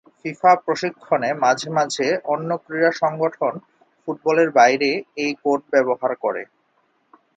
FIFA প্রশিক্ষণে মাঝে মাঝে অন্য ক্রীড়া সংগঠন ফুটবলের বাইরে এই কোড ব্যবহার করে।